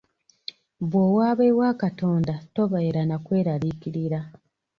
Bw'owaaba ewa Katonda tobeera na kweraliikirira.